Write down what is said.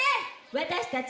私たち。